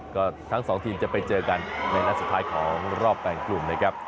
ก็ทั้งสองทีมจะไปเจอกันในนัดสุดท้ายของรอบแบ่งกลุ่มนะครับ